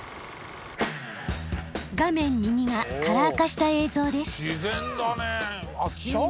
画面右がカラー化した映像です。